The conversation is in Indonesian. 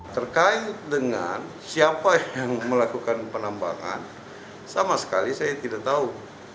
terkait dengan siapa yang melakukan penambangan sama sekali saya tidak tahu